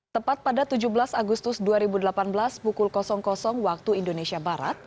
tepat pada tujuh belas agustus dua ribu delapan belas pukul waktu indonesia barat